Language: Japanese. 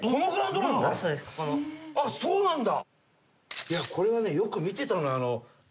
あっそうなんだ。